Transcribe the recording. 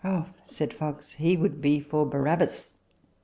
Oh," said Fox, " he would be for Barabbas."